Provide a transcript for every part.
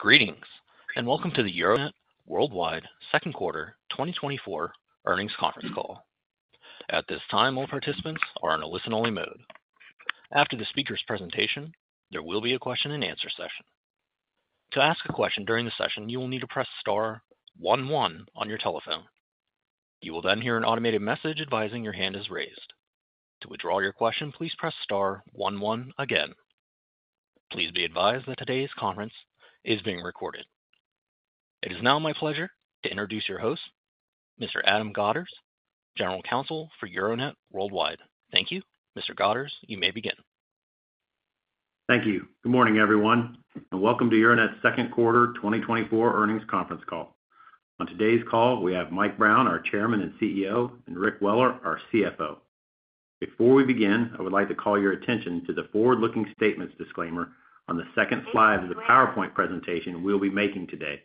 Greetings, and welcome to the Euronet Worldwide Second Quarter 2024 Earnings Conference Call. At this time, all participants are in a listen-only mode. After the speaker's presentation, there will be a question-and-answer session. To ask a question during the session, you will need to press star one one on your telephone. You will then hear an automated message advising your hand is raised. To withdraw your question, please press star one one again. Please be advised that today's conference is being recorded. It is now my pleasure to introduce your host, Mr. Adam Godderz, General Counsel for Euronet Worldwide. Thank you. Mr. Godderz, you may begin. Thank you. Good morning, everyone, and welcome to Euronet's second quarter 2024 earnings conference call. On today's call, we have Mike Brown, our Chairman and CEO, and Rick Weller, our CFO. Before we begin, I would like to call your attention to the forward-looking statements disclaimer on the second slide of the PowerPoint presentation we'll be making today.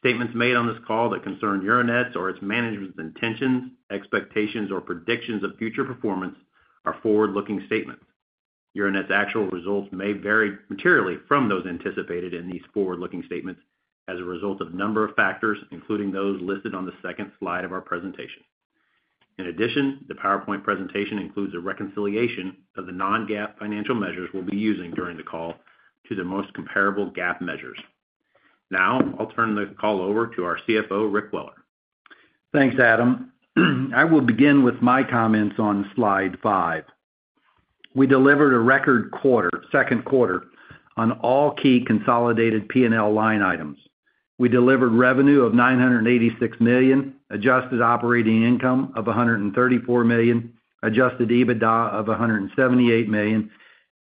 Statements made on this call that concern Euronet's or its management's intentions, expectations, or predictions of future performance are forward-looking statements. Euronet's actual results may vary materially from those anticipated in these forward-looking statements as a result of a number of factors, including those listed on the second slide of our presentation. In addition, the PowerPoint presentation includes a reconciliation of the non-GAAP financial measures we'll be using during the call to the most comparable GAAP measures. Now, I'll turn the call over to our CFO, Rick Weller. Thanks, Adam. I will begin with my comments on slide 5. We delivered a record quarter, second quarter, on all key consolidated P&L line items. We delivered revenue of $986 million, adjusted operating income of $134 million, adjusted EBITDA of $178 million,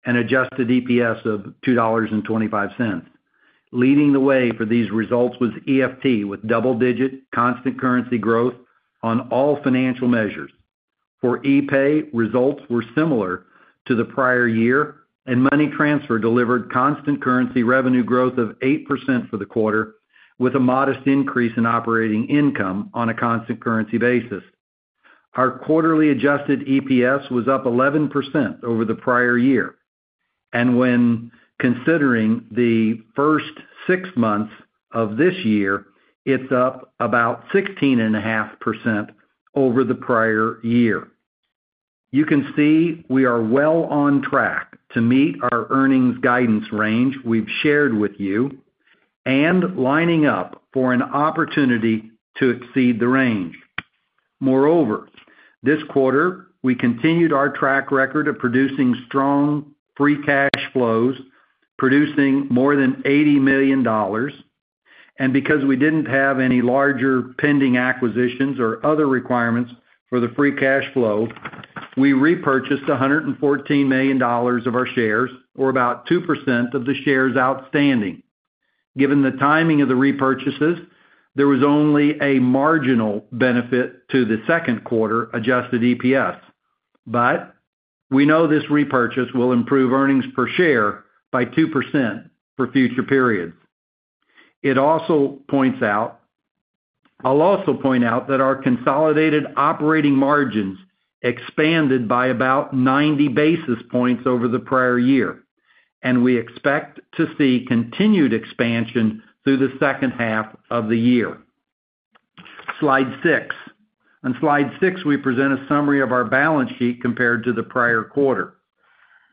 and adjusted EPS of $2.25. Leading the way for these results was EFT, with double-digit constant currency growth on all financial measures. For epay, results were similar to the prior year, and money transfer delivered constant currency revenue growth of 8% for the quarter, with a modest increase in operating income on a constant currency basis. Our quarterly adjusted EPS was up 11% over the prior year, and when considering the first six months of this year, it's up about 16.5% over the prior year. You can see we are well on track to meet our earnings guidance range we've shared with you and lining up for an opportunity to exceed the range. Moreover, this quarter, we continued our track record of producing strong free cash flows, producing more than $80 million. And because we didn't have any larger pending acquisitions or other requirements for the free cash flow, we repurchased $114 million of our shares, or about 2% of the shares outstanding. Given the timing of the repurchases, there was only a marginal benefit to the second quarter adjusted EPS, but we know this repurchase will improve earnings per share by 2% for future periods. It also points out—I'll also point out that our consolidated operating margins expanded by about 90 basis points over the prior year, and we expect to see continued expansion through the second half of the year. Slide six. On Slide six, we present a summary of our balance sheet compared to the prior quarter.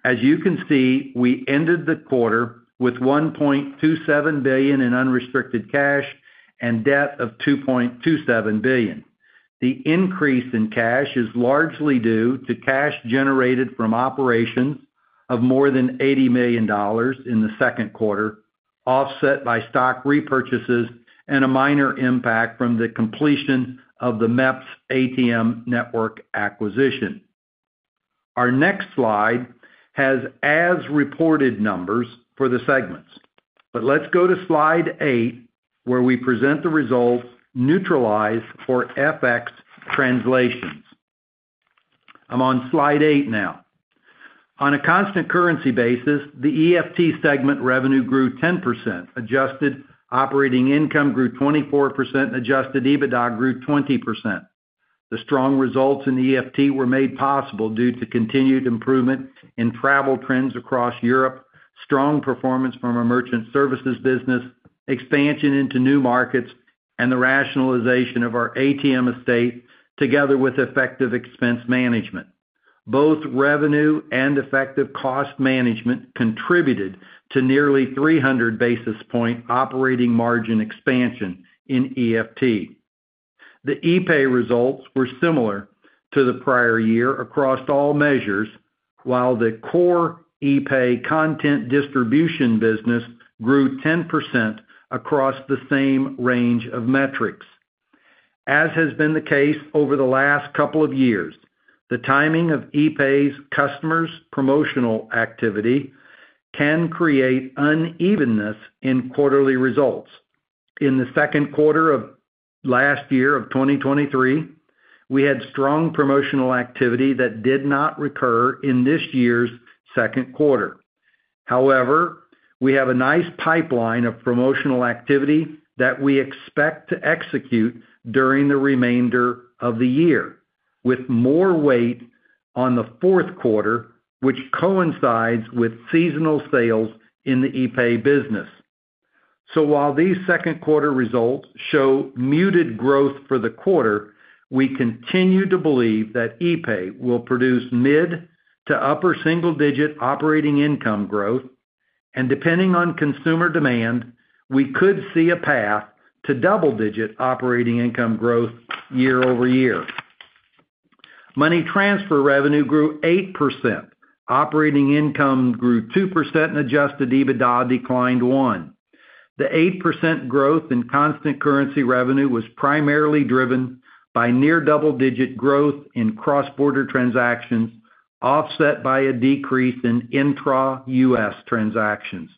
As you can see, we ended the quarter with $1.27 billion in unrestricted cash and debt of $2.27 billion. The increase in cash is largely due to cash generated from operations of more than $80 million in the second quarter, offset by stock repurchases and a minor impact from the completion of the MEPS ATM network acquisition. Our next slide has as-reported numbers for the segments. But let's go to Slide eight, where we present the results neutralized for FX translations. I'm on Slide eight now. On a constant currency basis, the EFT segment revenue grew 10%, adjusted operating income grew 24%, Adjusted EBITDA grew 20%. The strong results in EFT were made possible due to continued improvement in travel trends across Europe, strong performance from our merchant services business, expansion into new markets, and the rationalization of our ATM estate, together with effective expense management. Both revenue and effective cost management contributed to nearly 300 basis point operating margin expansion in EFT. The E-Pay results were similar to the prior year across all measures, while the core E-Pay content distribution business grew 10% across the same range of metrics. As has been the case over the last couple of years, the timing of E-Pay's customers' promotional activity can create unevenness in quarterly results. In the second quarter of last year, of 2023, we had strong promotional activity that did not recur in this year's second quarter. However, we have a nice pipeline of promotional activity that we expect to execute during the remainder of the year, with more weight on the fourth quarter, which coincides with seasonal sales in the epay business. So while these second quarter results show muted growth for the quarter, we continue to believe that epay will produce mid to upper single-digit operating income growth, and depending on consumer demand, we could see a path to double-digit operating income growth year-over-year. Money transfer revenue grew 8%. Operating income grew 2%, and adjusted EBITDA declined 1%. The 8% growth in constant currency revenue was primarily driven by near double-digit growth in cross-border transactions, offset by a decrease in intra-US transactions.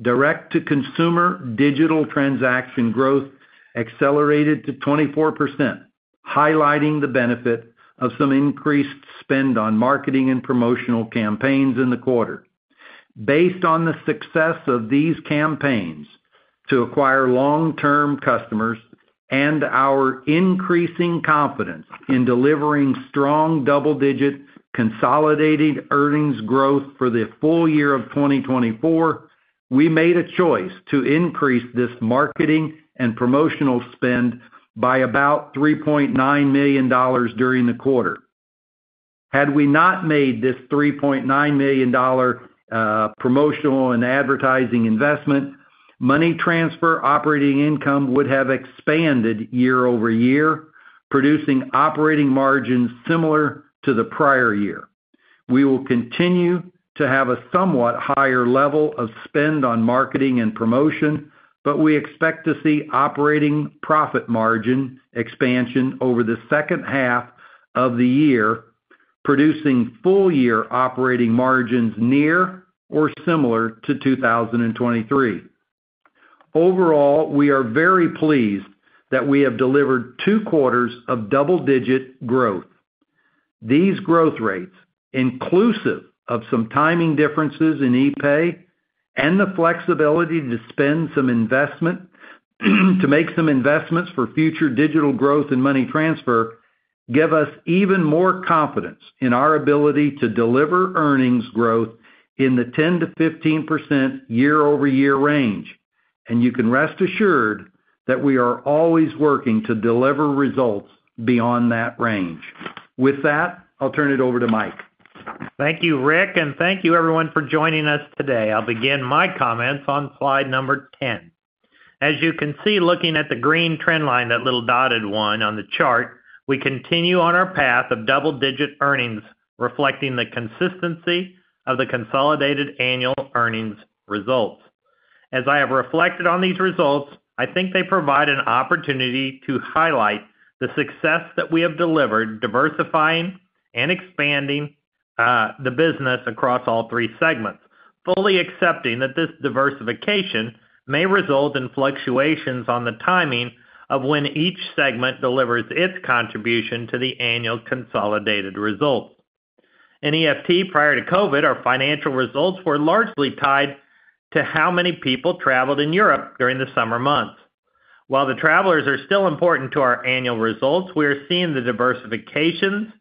Direct-to-consumer digital transaction growth accelerated to 24%, highlighting the benefit of some increased spend on marketing and promotional campaigns in the quarter. Based on the success of these campaigns to acquire long-term customers and our increasing confidence in delivering strong double-digit consolidated earnings growth for the full year of 2024, we made a choice to increase this marketing and promotional spend by about $3.9 million during the quarter. Had we not made this $3.9 million dollar promotional and advertising investment, money transfer operating income would have expanded year-over-year, producing operating margins similar to the prior year. We will continue to have a somewhat higher level of spend on marketing and promotion, but we expect to see operating profit margin expansion over the second half of the year, producing full year operating margins near or similar to 2023. Overall, we are very pleased that we have delivered two quarters of double-digit growth. These growth rates, inclusive of some timing differences in epay and the flexibility to spend some investment, to make some investments for future digital growth and money transfer, give us even more confidence in our ability to deliver earnings growth in the 10%-15% year-over-year range, and you can rest assured that we are always working to deliver results beyond that range. With that, I'll turn it over to Mike. Thank you, Rick, and thank you everyone for joining us today. I'll begin my comments on slide number 10. As you can see, looking at the green trend line, that little dotted one on the chart, we continue on our path of double-digit earnings, reflecting the consistency of the consolidated annual earnings results. As I have reflected on these results, I think they provide an opportunity to highlight the success that we have delivered, diversifying and expanding the business across all three segments, fully accepting that this diversification may result in fluctuations on the timing of when each segment delivers its contribution to the annual consolidated results. In EFT, prior to COVID, our financial results were largely tied to how many people traveled in Europe during the summer months. While the travelers are still important to our annual results, we are seeing the diversifications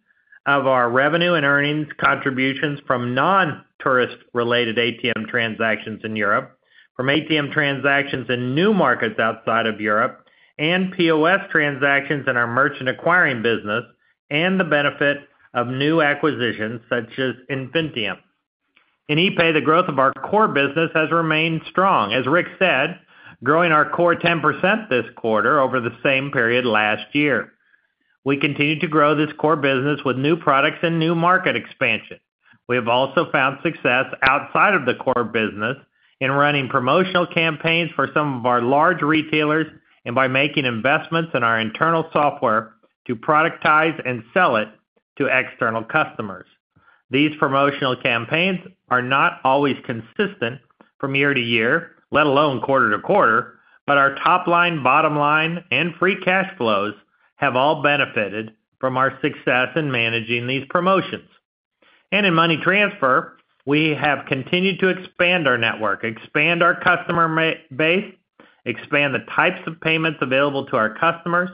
of our revenue and earnings contributions from non-tourist-related ATM transactions in Europe, from ATM transactions in new markets outside of Europe, and POS transactions in our merchant acquiring business, and the benefit of new acquisitions such as Infinitium. In epay, the growth of our core business has remained strong, as Rick said, growing our core 10% this quarter over the same period last year. We continue to grow this core business with new products and new market expansion. We have also found success outside of the core business in running promotional campaigns for some of our large retailers, and by making investments in our internal software to productize and sell it to external customers. These promotional campaigns are not always consistent from year to year, let alone quarter to quarter, but our top line, bottom line, and free cash flows have all benefited from our success in managing these promotions. And in money transfer, we have continued to expand our network, expand our customer base, expand the types of payments available to our customers,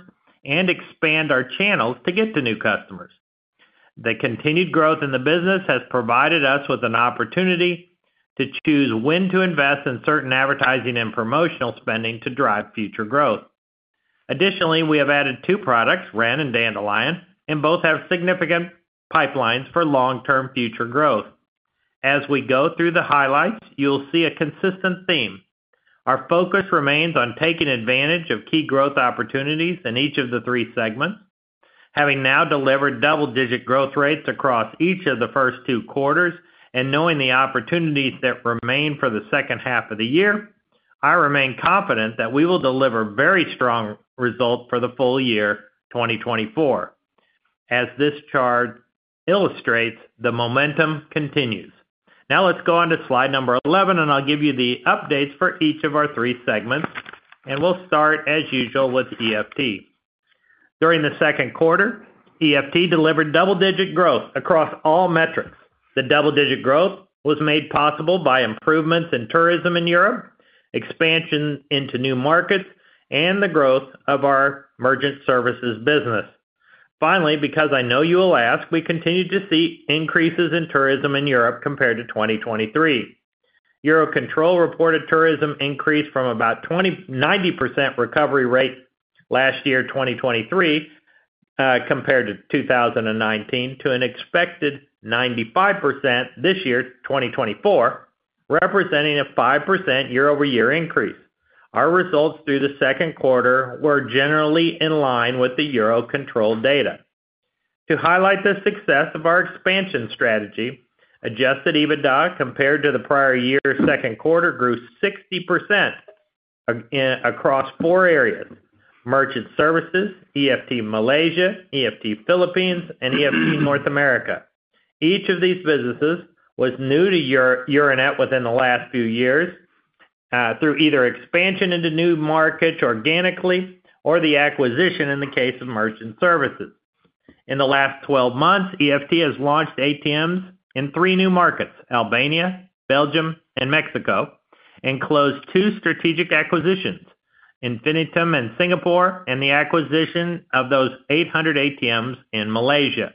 and expand our channels to get to new customers. The continued growth in the business has provided us with an opportunity to choose when to invest in certain advertising and promotional spending to drive future growth. Additionally, we have added two products, REN and Dandelion, and both have significant pipelines for long-term future growth. As we go through the highlights, you'll see a consistent theme. Our focus remains on taking advantage of key growth opportunities in each of the three segments. Having now delivered double-digit growth rates across each of the first two quarters, and knowing the opportunities that remain for the second half of the year, I remain confident that we will deliver very strong results for the full year 2024. As this chart illustrates, the momentum continues. Now let's go on to slide 11, and I'll give you the updates for each of our three segments, and we'll start, as usual, with EFT. During the second quarter, EFT delivered double-digit growth across all metrics. The double-digit growth was made possible by improvements in tourism in Europe, expansion into new markets, and the growth of our merchant services business. Finally, because I know you will ask, we continued to see increases in tourism in Europe compared to 2023. Eurocontrol reported tourism increased from about 90% recovery rate last year, 2023, compared to 2019, to an expected 95% this year, 2024, representing a 5% year-over-year increase. Our results through the second quarter were generally in line with the Eurocontrol data. To highlight the success of our expansion strategy, adjusted EBITDA, compared to the prior year's second quarter, grew 60% across four areas: merchant services, EFT Malaysia, EFT Philippines, and EFT North America. Each of these businesses was new to Euronet within the last few years, through either expansion into new markets organically or the acquisition in the case of merchant services. In the last 12 months, EFT has launched ATMs in three new markets: Albania, Belgium, and Mexico, and closed two strategic acquisitions, Infinitium and Singapore, and the acquisition of those 800 ATMs in Malaysia.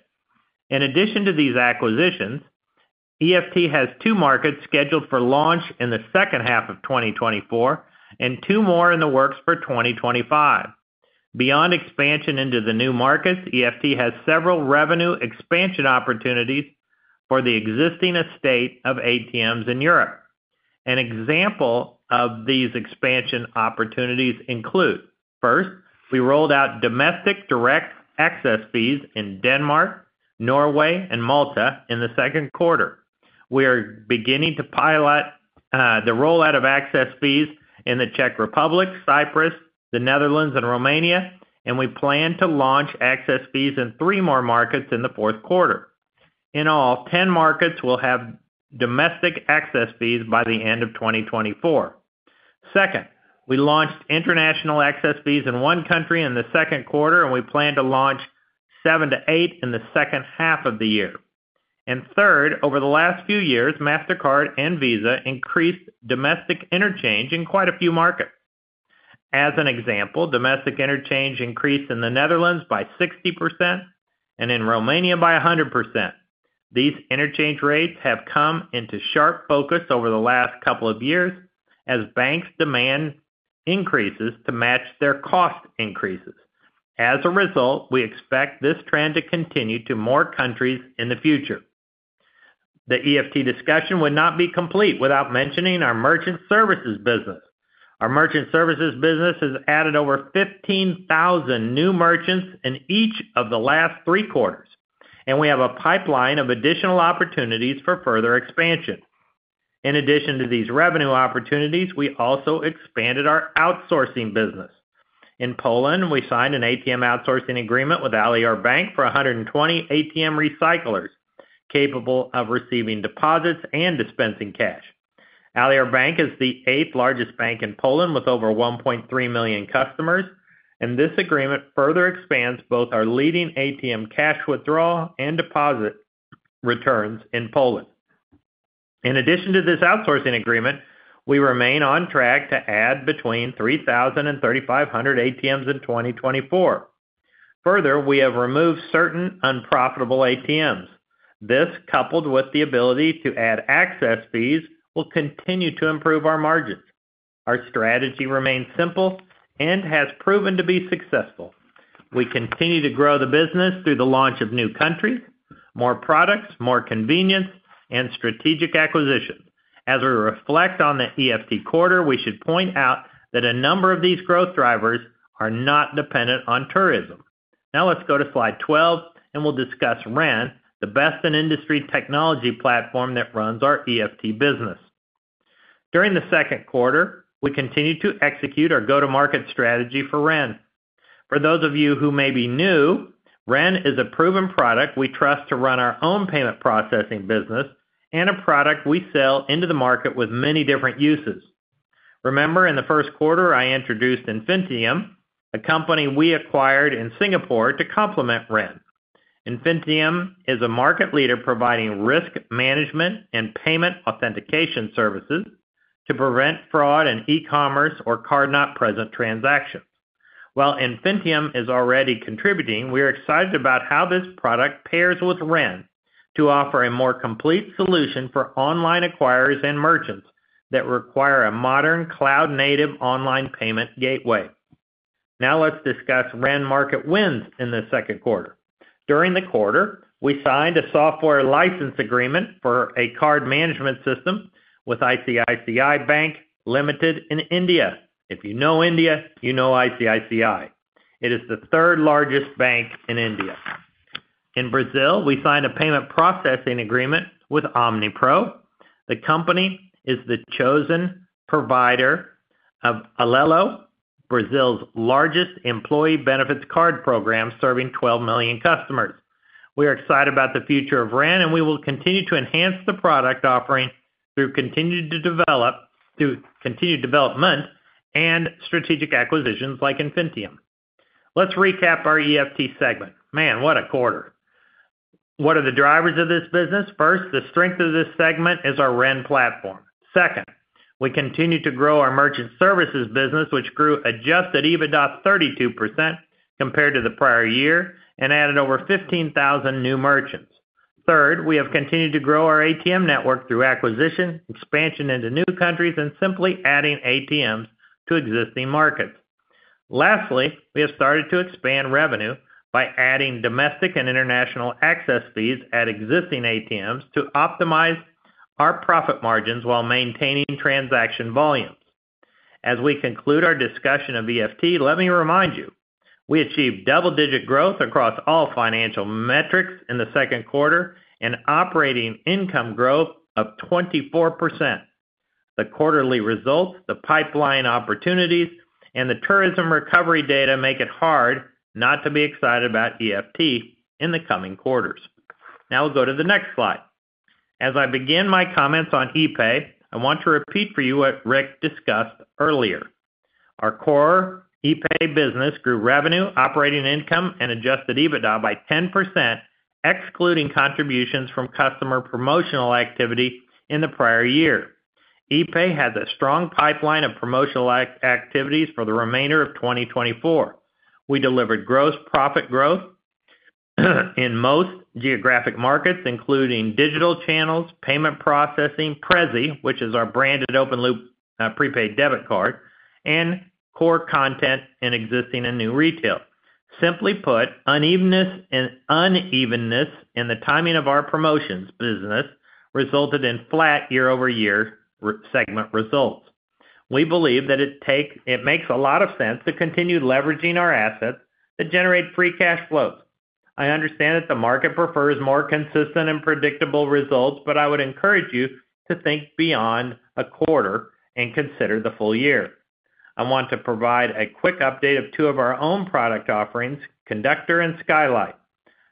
In addition to these acquisitions, EFT has two markets scheduled for launch in the second half of 2024 and two more in the works for 2025. Beyond expansion into the new markets, EFT has several revenue expansion opportunities for the existing estate of ATMs in Europe. An example of these expansion opportunities include: first, we rolled out domestic direct access fees in Denmark, Norway, and Malta in the second quarter. We are beginning to pilot the rollout of access fees in the Czech Republic, Cyprus, the Netherlands, and Romania, and we plan to launch access fees in three more markets in the fourth quarter. In all, 10 markets will have domestic access fees by the end of 2024. Second, we launched international access fees in 1 country in the second quarter, and we plan to launch 7-8 in the second half of the year. And third, over the last few years, Mastercard and Visa increased domestic interchange in quite a few markets. As an example, domestic interchange increased in the Netherlands by 60% and in Romania by 100%. These interchange rates have come into sharp focus over the last couple of years as banks' demand increases to match their cost increases. As a result, we expect this trend to continue to more countries in the future. The EFT discussion would not be complete without mentioning our merchant services business. Our merchant services business has added over 15,000 new merchants in each of the last three quarters, and we have a pipeline of additional opportunities for further expansion. In addition to these revenue opportunities, we also expanded our outsourcing business. In Poland, we signed an ATM outsourcing agreement with Alior Bank for 120 ATM recyclers, capable of receiving deposits and dispensing cash. Alior Bank is the eighth largest bank in Poland, with over 1.3 million customers, and this agreement further expands both our leading ATM cash withdrawal and deposit returns in Poland. In addition to this outsourcing agreement, we remain on track to add between 3,000 and 3,500 ATMs in 2024. Further, we have removed certain unprofitable ATMs. This, coupled with the ability to add access fees, will continue to improve our margins. Our strategy remains simple and has proven to be successful. We continue to grow the business through the launch of new countries, more products, more convenience, and strategic acquisitions. As we reflect on the EFT quarter, we should point out that a number of these growth drivers are not dependent on tourism. Now let's go to slide 12, and we'll discuss Ren, the best-in-industry technology platform that runs our EFT business. During the second quarter, we continued to execute our go-to-market strategy for Ren. For those of you who may be new, Ren is a proven product we trust to run our own payment processing business and a product we sell into the market with many different uses. Remember, in the first quarter, I introduced Infinitium, a company we acquired in Singapore to complement Ren. Infinitium is a market leader providing risk management and payment authentication services to prevent fraud in e-commerce or card-not-present transactions. While Infinitium is already contributing, we are excited about how this product pairs with Ren to offer a more complete solution for online acquirers and merchants that require a modern cloud-native online payment gateway. Now let's discuss Ren market wins in the second quarter. During the quarter, we signed a software license agreement for a card management system with ICICI Bank Limited in India. If you know India, you know ICICI. It is the third-largest bank in India. In Brazil, we signed a payment processing agreement with Omni. The company is the chosen provider of Alelo, Brazil's largest employee benefits card program, serving 12 million customers. We are excited about the future of Ren, and we will continue to enhance the product offering through continued development and strategic acquisitions like Infinitium. Let's recap our EFT segment. Man, what a quarter! What are the drivers of this business? First, the strength of this segment is our Ren platform. Second, we continue to grow our merchant services business, which grew Adjusted EBITDA 32% compared to the prior year and added over 15,000 new merchants. Third, we have continued to grow our ATM network through acquisition, expansion into new countries, and simply adding ATMs to existing markets. Lastly, we have started to expand revenue by adding domestic and international access fees at existing ATMs to optimize our profit margins while maintaining transaction volumes. As we conclude our discussion of EFT, let me remind you, we achieved double-digit growth across all financial metrics in the second quarter and operating income growth of 24%. The quarterly results, the pipeline opportunities, and the tourism recovery data make it hard not to be excited about EFT in the coming quarters. Now we'll go to the next slide. As I begin my comments on E-pay, I want to repeat for you what Rick discussed earlier. Our core Epay business grew revenue, operating income, and adjusted EBITDA by 10%, excluding contributions from customer promotional activity in the prior year. Epay has a strong pipeline of promotional activities for the remainder of 2024. We delivered gross profit growth, in most geographic markets, including digital channels, payment processing, Prezzy, which is our branded open loop, prepaid debit card, and core content in existing and new retail. Simply put, unevenness and unevenness in the timing of our promotions business resulted in flat year-over-year segment results. We believe that it makes a lot of sense to continue leveraging our assets that generate free cash flows. I understand that the market prefers more consistent and predictable results, but I would encourage you to think beyond a quarter and consider the full year. I want to provide a quick update of two of our own product offerings, Conductor and Skylight.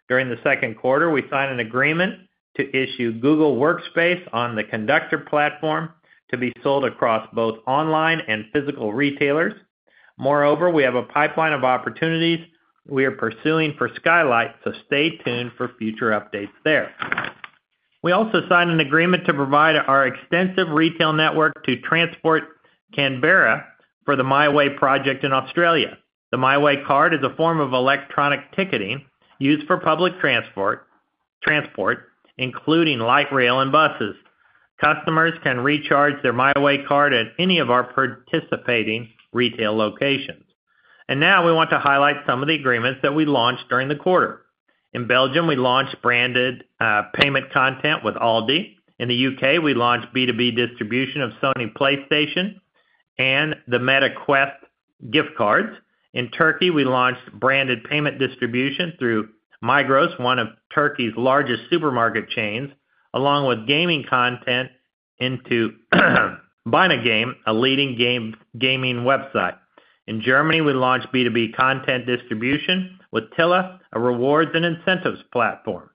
During the second quarter, we signed an agreement to issue Google Workspace on the Conductor platform to be sold across both online and physical retailers. Moreover, we have a pipeline of opportunities we are pursuing for Skylight, so stay tuned for future updates there. We also signed an agreement to provide our extensive retail network to Transport Canberra for the MyWay project in Australia. The MyWay card is a form of electronic ticketing used for public transport, including light rail and buses. Customers can recharge their MyWay card at any of our participating retail locations. Now we want to highlight some of the agreements that we launched during the quarter. In Belgium, we launched branded payment content with Aldi. In the UK, we launched B2B distribution of Sony PlayStation and the Meta Quest gift cards. In Turkey, we launched branded payment distribution through Migros, one of Turkey's largest supermarket chains, along with gaming content into ByNoGame, a leading gaming website. In Germany, we launched B2B content distribution with Tilla, a rewards and incentives platform.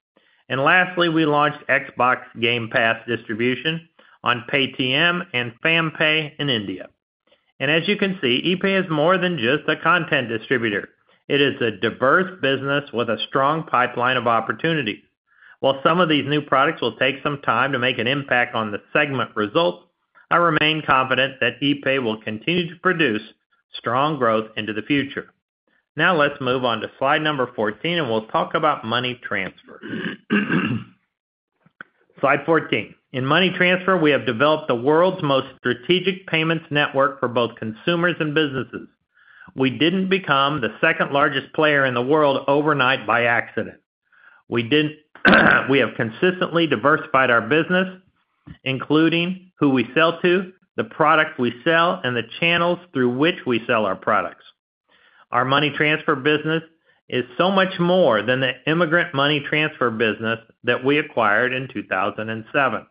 Lastly, we launched Xbox Game Pass distribution on Paytm and FamPay in India. As you can see, epay is more than just a content distributor. It is a diverse business with a strong pipeline of opportunities. While some of these new products will take some time to make an impact on the segment results, I remain confident that Epay will continue to produce strong growth into the future. Now, let's move on to slide number 14, and we'll talk about money transfer. Slide 14. In money transfer, we have developed the world's most strategic payments network for both consumers and businesses. We didn't become the second-largest player in the world overnight by accident. We have consistently diversified our business, including who we sell to, the product we sell, and the channels through which we sell our products. Our money transfer business is so much more than the immigrant money transfer business that we acquired in 2007.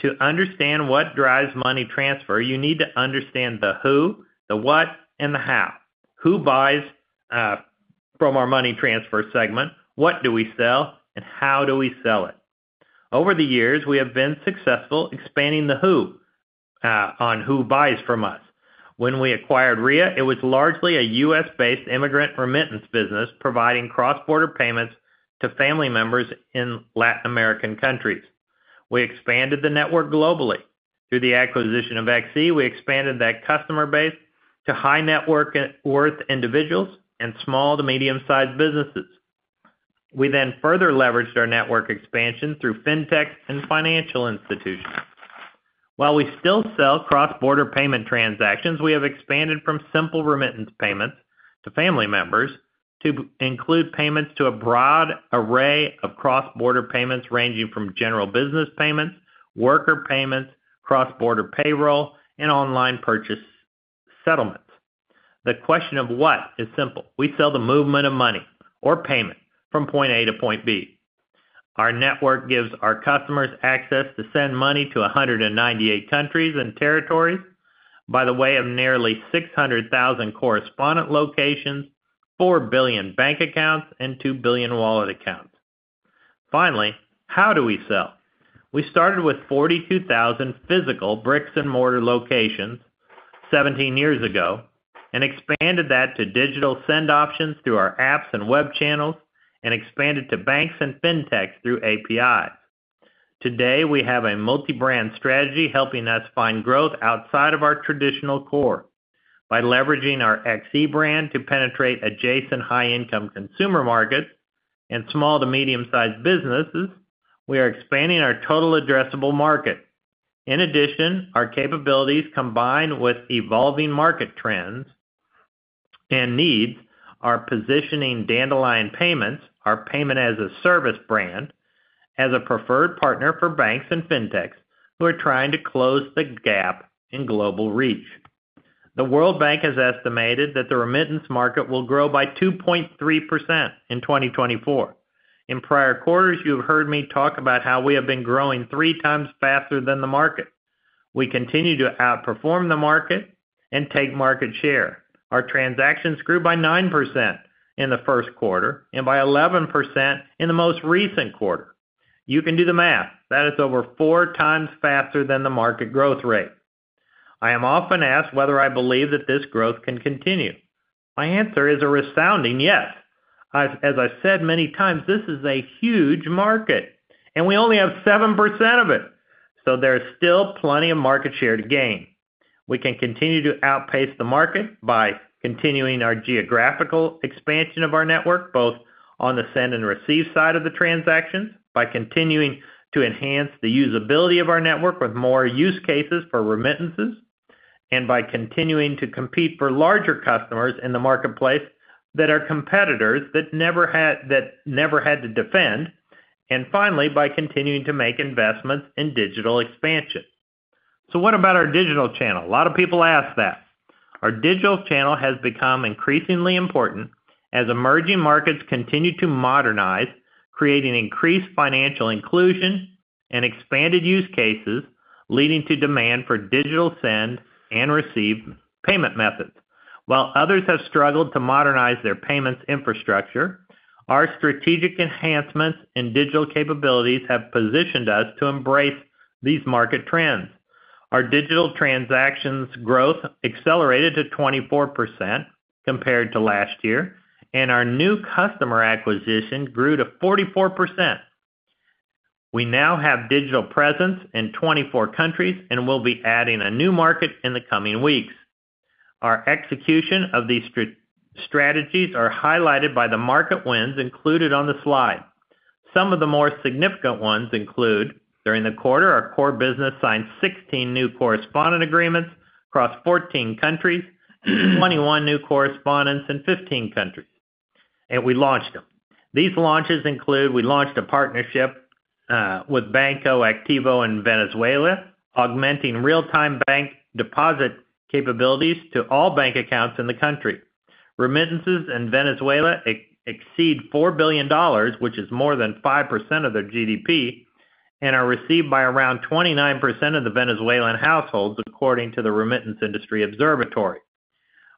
To understand what drives money transfer, you need to understand the who, the what, and the how. Who buys from our money transfer segment? What do we sell, and how do we sell it? Over the years, we have been successful expanding the who on who buys from us. When we acquired Ria, it was largely a U.S.-based immigrant remittance business, providing cross-border payments to family members in Latin American countries. We expanded the network globally. Through the acquisition of XE, we expanded that customer base to high-net-worth individuals and small to medium-sized businesses. We then further leveraged our network expansion through fintech and financial institutions. While we still sell cross-border payment transactions, we have expanded from simple remittance payments to family members to include payments to a broad array of cross-border payments, ranging from general business payments, worker payments, cross-border payroll, and online purchase settlements. The question of what is simple: We sell the movement of money or payment from point A to point B. Our network gives our customers access to send money to 198 countries and territories by the way of nearly 600,000 correspondent locations, four billion bank accounts, and two billion wallet accounts.... Finally, how do we sell? We started with 42,000 physical bricks-and-mortar locations 17 years ago and expanded that to digital send options through our apps and web channels and expanded to banks and fintechs through API. Today, we have a multi-brand strategy helping us find growth outside of our traditional core. By leveraging our XE brand to penetrate adjacent high-income consumer markets and small to medium-sized businesses, we are expanding our total addressable market. In addition, our capabilities, combined with evolving market trends and needs, are positioning Dandelion Payments, our payment-as-a-service brand, as a preferred partner for banks and fintechs who are trying to close the gap in global reach. The World Bank has estimated that the remittance market will grow by 2.3% in 2024. In prior quarters, you have heard me talk about how we have been growing three times faster than the market. We continue to outperform the market and take market share. Our transactions grew by 9% in the first quarter and by 11% in the most recent quarter. You can do the math. That is over four times faster than the market growth rate. I am often asked whether I believe that this growth can continue. My answer is a resounding yes. As I've said many times, this is a huge market, and we only have 7% of it, so there is still plenty of market share to gain. We can continue to outpace the market by continuing our geographical expansion of our network, both on the send and receive side of the transactions, by continuing to enhance the usability of our network with more use cases for remittances, and by continuing to compete for larger customers in the marketplace that are competitors that never had to defend, and finally, by continuing to make investments in digital expansion. So what about our digital channel? A lot of people ask that. Our digital channel has become increasingly important as emerging markets continue to modernize, creating increased financial inclusion and expanded use cases, leading to demand for digital send and receive payment methods. While others have struggled to modernize their payments infrastructure, our strategic enhancements and digital capabilities have positioned us to embrace these market trends. Our digital transactions growth accelerated to 24% compared to last year, and our new customer acquisition grew to 44%. We now have digital presence in 24 countries, and we'll be adding a new market in the coming weeks. Our execution of these strategies are highlighted by the market wins included on the slide. Some of the more significant ones include: During the quarter, our core business signed 16 new correspondent agreements across 14 countries, 21 new correspondents in 15 countries, and we launched them. These launches include, we launched a partnership with Banco Activo in Venezuela, augmenting real-time bank deposit capabilities to all bank accounts in the country. Remittances in Venezuela exceed $4 billion, which is more than 5% of their GDP, and are received by around 29% of the Venezuelan households, according to the Remittance Industry Observatory.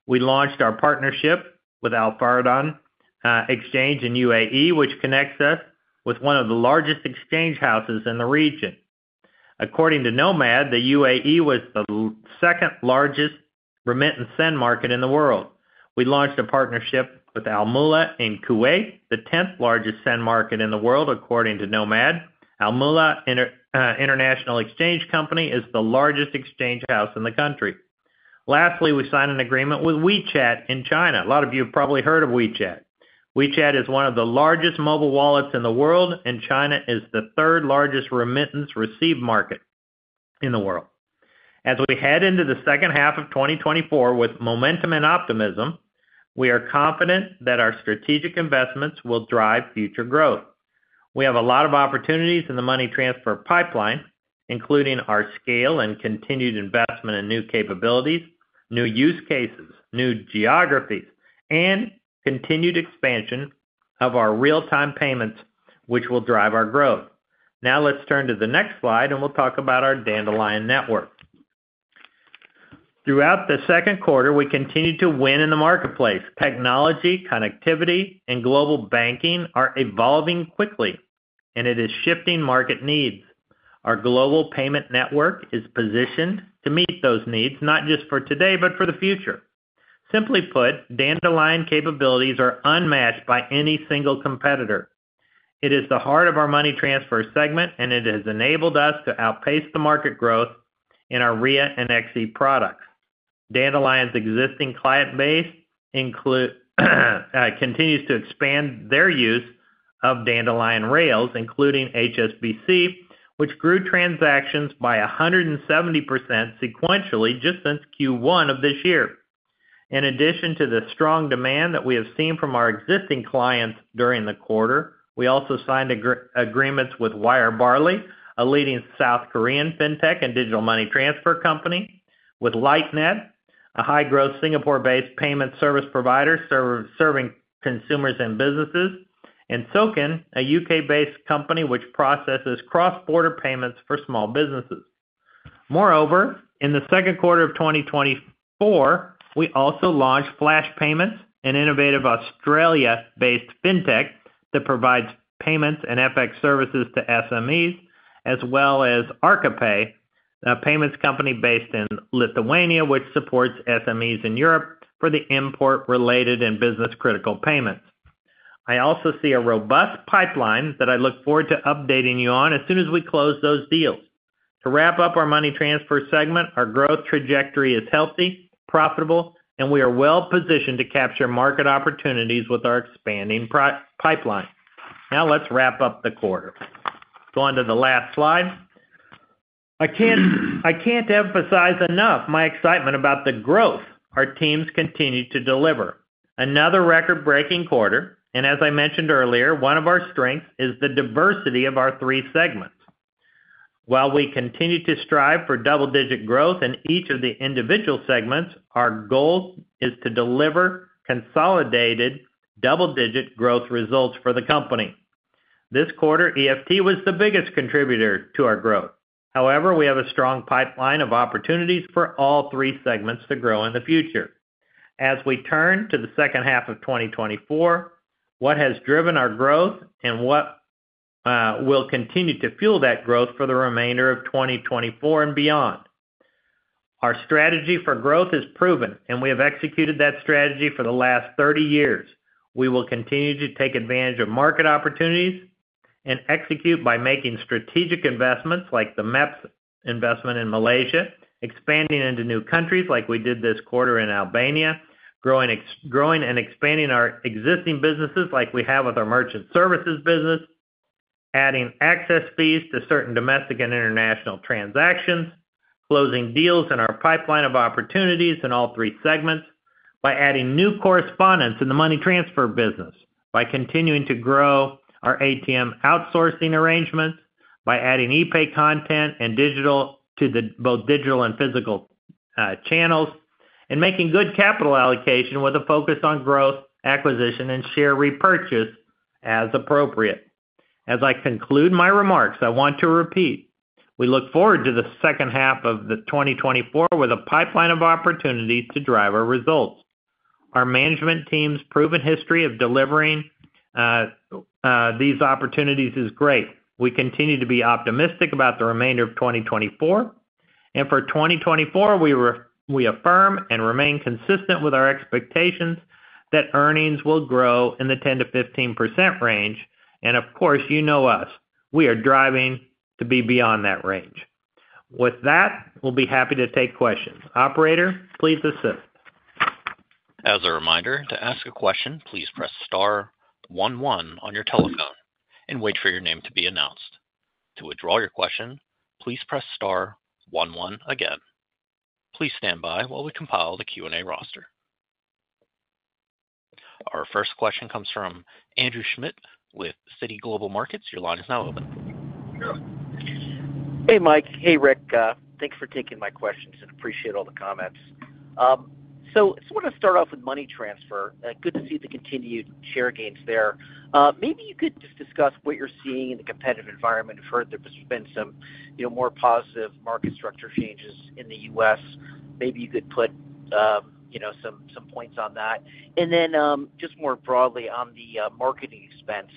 We launched our partnership with Al Fardan Exchange in UAE, which connects us with one of the largest exchange houses in the region. According to KNOMAD, the UAE was the 2nd-largest remittance send market in the world. We launched a partnership with Al Mulla in Kuwait, the 10th-largest send market in the world, according to KNOMAD. Al Mulla International Exchange Company is the largest exchange house in the country. Lastly, we signed an agreement with WeChat in China. A lot of you have probably heard of WeChat. WeChat is one of the largest mobile wallets in the world, and China is the 3rd-largest remittance receive market in the world. As we head into the second half of 2024 with momentum and optimism, we are confident that our strategic investments will drive future growth. We have a lot of opportunities in the money transfer pipeline, including our scale and continued investment in new capabilities, new use cases, new geographies, and continued expansion of our real-time payments, which will drive our growth. Now, let's turn to the next slide, and we'll talk about our Dandelion network. Throughout the second quarter, we continued to win in the marketplace. Technology, connectivity, and global banking are evolving quickly, and it is shifting market needs. Our global payment network is positioned to meet those needs, not just for today, but for the future. Simply put, Dandelion capabilities are unmatched by any single competitor. It is the heart of our money transfer segment, and it has enabled us to outpace the market growth in our Ria and XE products. Dandelion's existing client base continues to expand their use of Dandelion Rails, including HSBC, which grew transactions by 170% sequentially just since Q1 of this year. In addition to the strong demand that we have seen from our existing clients during the quarter, we also signed agreements with WireBarley, a leading South Korean fintech and digital money transfer company, with Lightnet, a high-growth Singapore-based payment service provider serving consumers and businesses, and Sokin, a UK-based company which processes cross-border payments for small businesses. Moreover, in the second quarter of 2024, we also launched Flash Payments, an innovative Australia-based fintech that provides payments and FX services to SMEs, as well as Arcapay, a payments company based in Lithuania, which supports SMEs in Europe for the import-related and business-critical payments. I also see a robust pipeline that I look forward to updating you on as soon as we close those deals. To wrap up our money transfer segment, our growth trajectory is healthy, profitable, and we are well-positioned to capture market opportunities with our expanding product pipeline. Now let's wrap up the quarter. Go on to the last slide. I can't, I can't emphasize enough my excitement about the growth our teams continue to deliver. Another record-breaking quarter, and as I mentioned earlier, one of our strengths is the diversity of our three segments. While we continue to strive for double-digit growth in each of the individual segments, our goal is to deliver consolidated double-digit growth results for the company. This quarter, EFT was the biggest contributor to our growth. However, we have a strong pipeline of opportunities for all three segments to grow in the future. As we turn to the second half of 2024, what has driven our growth and what will continue to fuel that growth for the remainder of 2024 and beyond? Our strategy for growth is proven, and we have executed that strategy for the last 30 years. We will continue to take advantage of market opportunities and execute by making strategic investments, like the MEPS investment in Malaysia, expanding into new countries, like we did this quarter in Albania, growing and expanding our existing businesses, like we have with our merchant services business, adding access fees to certain domestic and international transactions, closing deals in our pipeline of opportunities in all three segments by adding new correspondents in the money transfer business, by continuing to grow our ATM outsourcing arrangements, by adding ePay content and digital to both digital and physical channels, and making good capital allocation with a focus on growth, acquisition, and share repurchase as appropriate. As I conclude my remarks, I want to repeat, we look forward to the second half of 2024 with a pipeline of opportunities to drive our results. Our management team's proven history of delivering these opportunities is great. We continue to be optimistic about the remainder of 2024. And for 2024, we affirm and remain consistent with our expectations that earnings will grow in the 10%-15% range, and of course, you know us, we are driving to be beyond that range. With that, we'll be happy to take questions. Operator, please assist. As a reminder, to ask a question, please press star one one on your telephone and wait for your name to be announced. To withdraw your question, please press star one one again. Please stand by while we compile the Q&A roster. Our first question comes from Andrew Schmidt with Citi Global Markets. Your line is now open. Hey, Mike. Hey, Rick. Thanks for taking my questions and appreciate all the comments. So I just wanna start off with money transfer. Good to see the continued share gains there. Maybe you could just discuss what you're seeing in the competitive environment. I've heard there's been some, you know, more positive market structure changes in the U.S. Maybe you could put, you know, some points on that. And then, just more broadly on the marketing expense,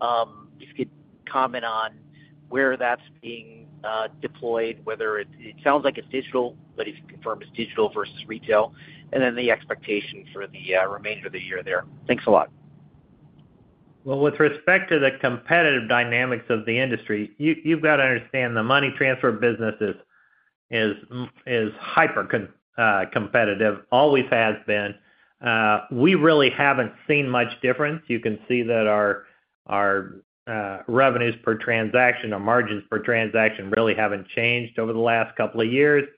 if you could comment on where that's being deployed, whether it-- it sounds like it's digital, but if you confirm it's digital versus retail, and then the expectation for the remainder of the year there. Thanks a lot. Well, with respect to the competitive dynamics of the industry, you've got to understand, the money transfer business is hyper competitive, always has been. We really haven't seen much difference. You can see that our revenues per transaction or margins per transaction really haven't changed over the last couple of years.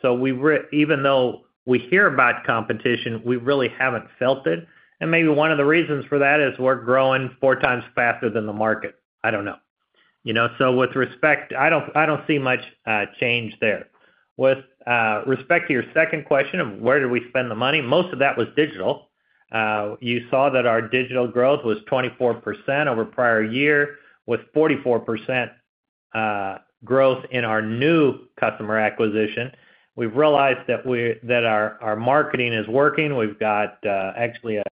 So even though we hear about competition, we really haven't felt it. And maybe one of the reasons for that is we're growing four times faster than the market. I don't know. You know, so with respect, I don't see much change there. With respect to your second question of where do we spend the money, most of that was digital. You saw that our digital growth was 24% over prior year, with 44% growth in our new customer acquisition. We've realized that our marketing is working. We've got actually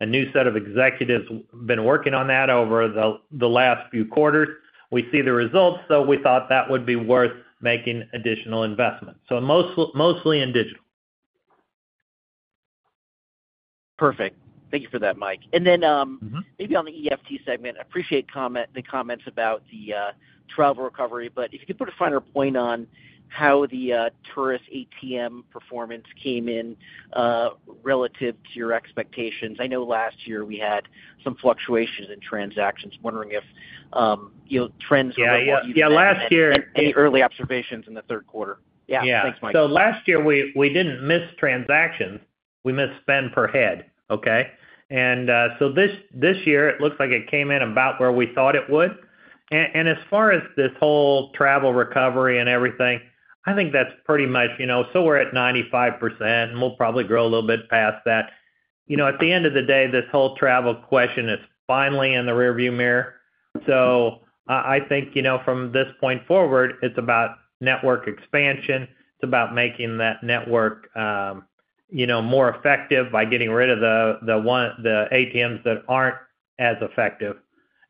a new set of executives who've been working on that over the last few quarters. We see the results, so we thought that would be worth making additional investments. So mostly in digital. Perfect. Thank you for that, Mike. And then, Mm-hmm. Maybe on the EFT segment, I appreciate comment—the comments about the travel recovery, but if you could put a finer point on how the tourist ATM performance came in relative to your expectations. I know last year we had some fluctuations in transactions. Wondering if, you know, trends. Yeah. Yeah, last year- Any early observations in the third quarter? Yeah. Thanks, Mike. So last year, we didn't miss transactions, we missed spend per head, okay? And so this year, it looks like it came in about where we thought it would. And as far as this whole travel recovery and everything, I think that's pretty much, you know... So we're at 95%, and we'll probably grow a little bit past that.... You know, at the end of the day, this whole travel question is finally in the rearview mirror. So I think, you know, from this point forward, it's about network expansion. It's about making that network, you know, more effective by getting rid of the ones that aren't as effective.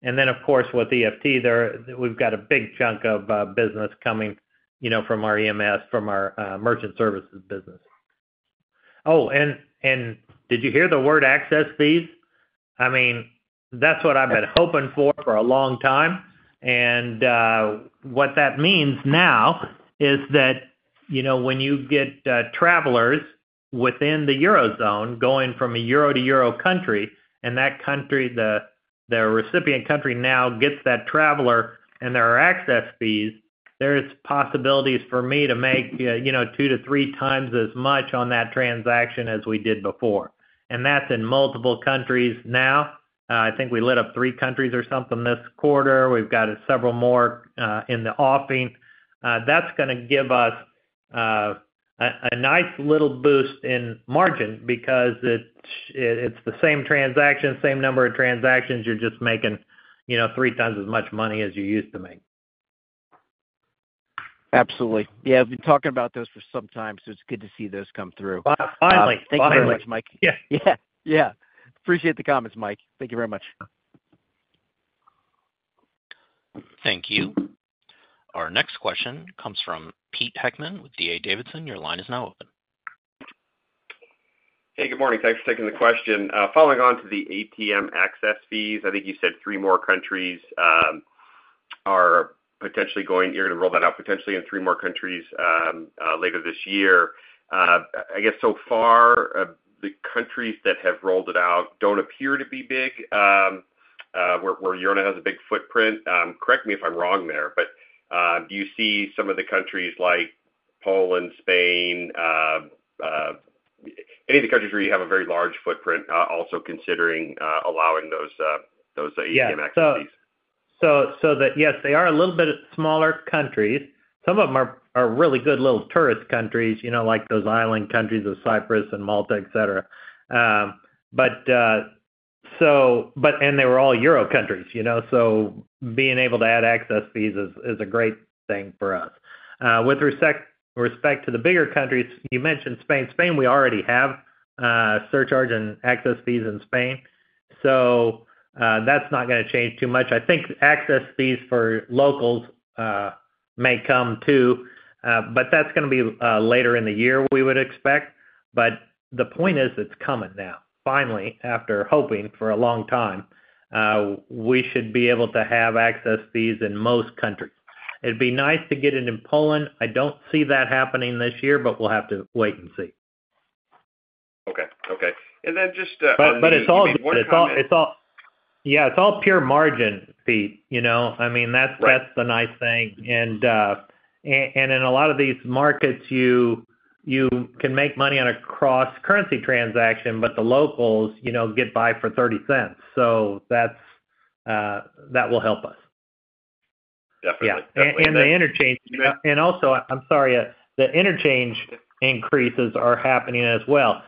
And then, of course, with EFT, we've got a big chunk of business coming, you know, from our EMS, from our merchant services business. Oh, and, and did you hear the word access fees? I mean, that's what I've been hoping for, for a long time. And, what that means now is that, you know, when you get, travelers within the Eurozone going from a euro to euro country, and that country, the, the recipient country now gets that traveler, and there are access fees, there's possibilities for me to make, you know, two to three times as much on that transaction as we did before. And that's in multiple countries now. I think we lit up three countries or something this quarter. We've got several more, in the offing. That's gonna give us, a, a nice little boost in margin because it's, it's the same transaction, same number of transactions. You're just making, you know, three times as much money as you used to make. Absolutely. Yeah, I've been talking about this for some time, so it's good to see this come through. Finally. Thank you very much, Mike. Yeah. Yeah. Appreciate the comments, Mike. Thank you very much. Thank you. Our next question comes from Peter Heckmann with D.A. Davidson. Your line is now open. Hey, good morning. Thanks for taking the question. Following on to the ATM access fees, I think you said three more countries are potentially going—you're going to roll that out potentially in three more countries later this year. I guess so far the countries that have rolled it out don't appear to be big where Euronet has a big footprint. Correct me if I'm wrong there, but do you see some of the countries like Poland, Spain, any of the countries where you have a very large footprint also considering allowing those ATM access fees? Yes, they are a little bit of smaller countries. Some of them are really good little tourist countries, you know, like those island countries of Cyprus and Malta, et cetera. But they were all euro countries, you know, so being able to add access fees is a great thing for us. With respect to the bigger countries, you mentioned Spain. Spain, we already have surcharge and access fees in Spain, so that's not gonna change too much. I think access fees for locals may come, too, but that's gonna be later in the year, we would expect. But the point is, it's coming now. Finally, after hoping for a long time, we should be able to have access fees in most countries. It'd be nice to get it in Poland. I don't see that happening this year, but we'll have to wait and see. Okay. Okay. And then just, But it's all- One comment- Yeah, it's all pure margin fee, you know? I mean, that's- Right. That's the nice thing. And in a lot of these markets, you can make money on a cross-currency transaction, but the locals, you know, get by for $0.30. So that will help us. Definitely. Yeah. Definitely. And the interchange- Yeah. I'm sorry, the interchange increases are happening as well.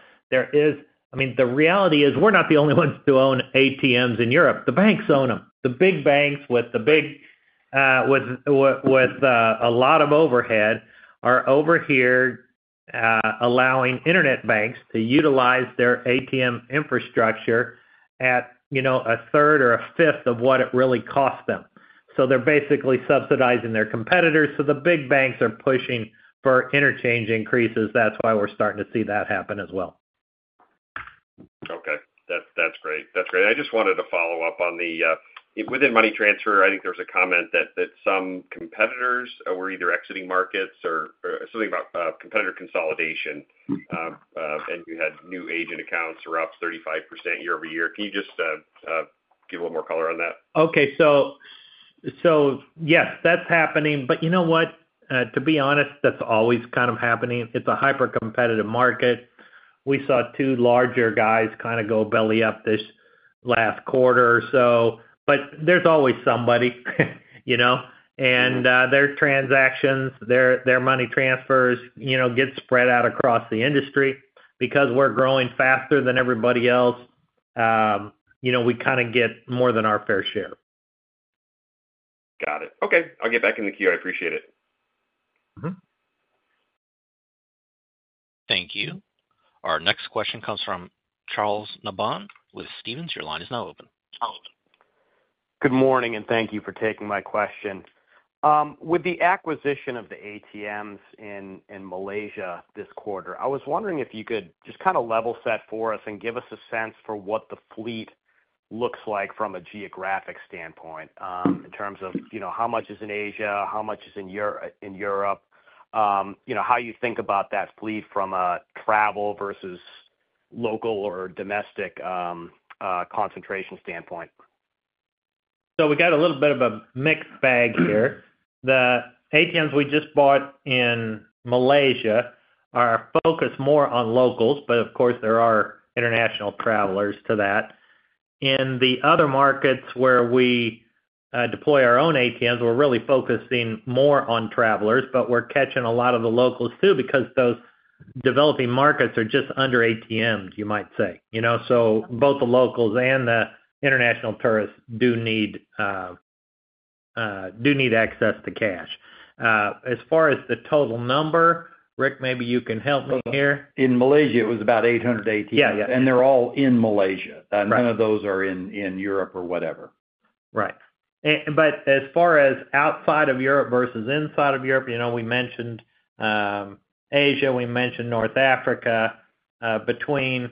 I mean, the reality is, we're not the only ones to own ATMs in Europe. The banks own them. The big banks with a lot of overhead are over here, allowing internet banks to utilize their ATM infrastructure at, you know, a third or a fifth of what it really costs them. So they're basically subsidizing their competitors, so the big banks are pushing for interchange increases. That's why we're starting to see that happen as well. Okay. That's, that's great. That's great. I just wanted to follow up on the, within money transfer, I think there was a comment that, that some competitors were either exiting markets or, or something about, competitor consolidation, and you had new agent accounts around 35% year-over-year. Can you just, give a little more color on that? Okay. So yes, that's happening. But you know what? To be honest, that's always kind of happening. It's a hyper-competitive market. We saw two larger guys kind of go belly up this last quarter or so. But there's always somebody, you know? Mm-hmm. Their transactions, their money transfers, you know, get spread out across the industry. Because we're growing faster than everybody else, you know, we kind of get more than our fair share. Got it. Okay, I'll get back in the queue. I appreciate it. Mm-hmm. Thank you. Our next question comes from Charles Nabhan with Stephens. Your line is now open. Good morning, and thank you for taking my question. With the acquisition of the ATMs in Malaysia this quarter, I was wondering if you could just kind of level set for us and give us a sense for what the fleet looks like from a geographic standpoint, in terms of, you know, how much is in Asia, how much is in Europe, you know, how you think about that fleet from a travel versus local or domestic concentration standpoint. So we got a little bit of a mixed bag here. The ATMs we just bought in Malaysia are focused more on locals, but of course, there are international travelers to that. In the other markets where we deploy our own ATMs, we're really focusing more on travelers, but we're catching a lot of the locals, too, because those developing markets are just under ATMs, you might say, you know? So both the locals and the international tourists do need access to cash. As far as the total number, Rick, maybe you can help me here. In Malaysia, it was about 800 ATMs. Yeah. They're all in Malaysia. Right. None of those are in Europe or whatever. Right. But as far as outside of Europe versus inside of Europe, you know, we mentioned Asia, we mentioned North Africa. Between,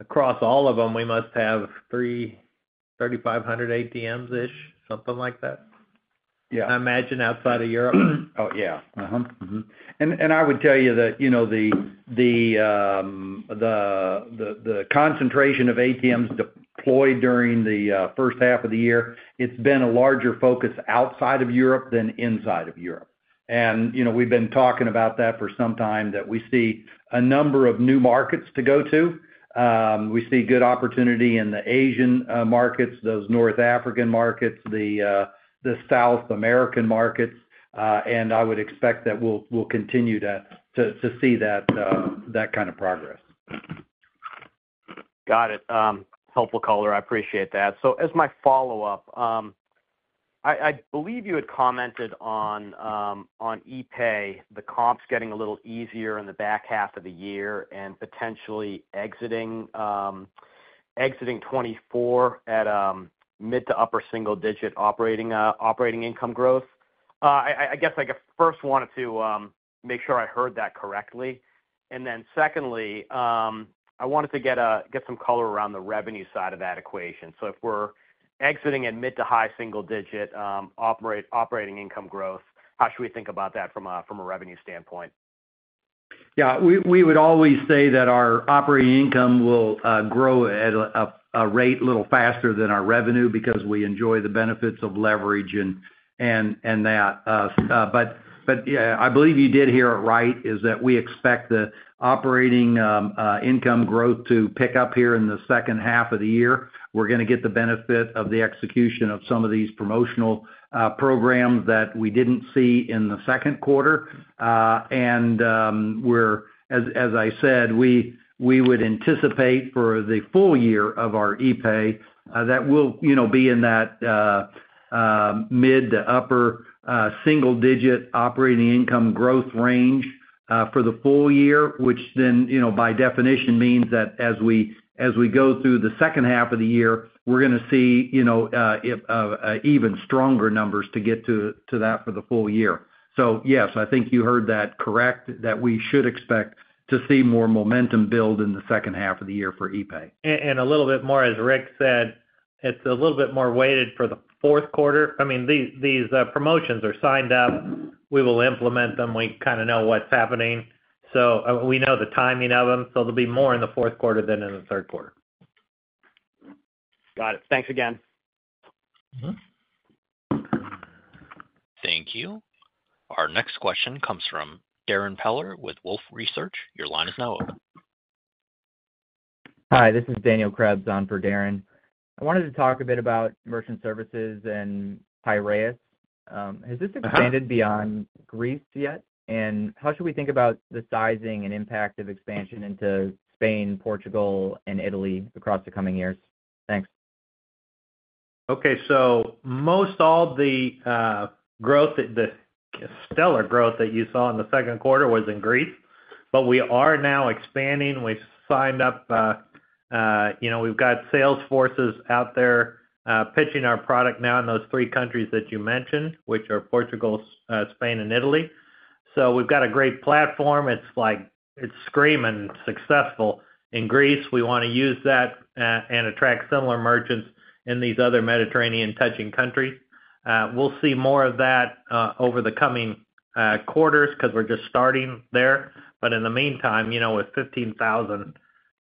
across all of them, we must have 3,500 ATMs-ish, something like that? Yeah. I imagine outside of Europe. Oh, yeah. Mm-hmm, mm-hmm. And I would tell you that, you know, the concentration of ATMs deployed during the first half of the year, it's been a larger focus outside of Europe than inside of Europe. And, you know, we've been talking about that for some time, that we see a number of new markets to go to. We see good opportunity in the Asian markets, those North African markets, the South American markets, and I would expect that we'll continue to see that kind of progress. Got it. Helpful color. I appreciate that. So as my follow-up, I believe you had commented on E-Pay, the comps getting a little easier in the back half of the year and potentially exiting 2024 at mid to upper single digit operating income growth. I guess I first wanted to make sure I heard that correctly. And then secondly, I wanted to get some color around the revenue side of that equation. So if we're exiting at mid to high single digit operating income growth, how should we think about that from a revenue standpoint? Yeah, we would always say that our operating income will grow at a rate a little faster than our revenue because we enjoy the benefits of leverage and that. But yeah, I believe you did hear it right, is that we expect the operating income growth to pick up here in the second half of the year. We're gonna get the benefit of the execution of some of these promotional programs that we didn't see in the second quarter. As I said, we would anticipate for the full year of our epay that we'll, you know, be in that mid- to upper-single-digit operating income growth range for the full year, which then, you know, by definition, means that as we go through the second half of the year, we're gonna see, you know, even stronger numbers to get to that for the full year. So yes, I think you heard that correct, that we should expect to see more momentum build in the second half of the year for epay. A little bit more, as Rick said, it's a little bit more weighted for the fourth quarter. I mean, these promotions are signed up. We will implement them. We kind of know what's happening. So we know the timing of them, so there'll be more in the fourth quarter than in the third quarter. Got it. Thanks again. Mm-hmm. Thank you. Our next question comes from Darren Peller with Wolfe Research. Your line is now open. Hi, this is Daniel Krebs on for Darren. I wanted to talk a bit about merchant services and Piraeus. Has this expanded- Uh-huh... beyond Greece yet? How should we think about the sizing and impact of expansion into Spain, Portugal, and Italy across the coming years? Thanks. Okay. So most all the growth that the stellar growth that you saw in the second quarter was in Greece, but we are now expanding. We've signed up, you know, we've got sales forces out there pitching our product now in those three countries that you mentioned, which are Portugal, Spain, and Italy. So we've got a great platform. It's like, it's screaming successful in Greece. We want to use that and attract similar merchants in these other Mediterranean-touching countries. We'll see more of that over the coming quarters because we're just starting there. But in the meantime, you know, with 15,000